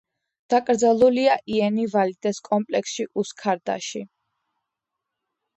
დაკრძალულია იენი ვალიდეს კომპლექსში, უსქუდარში.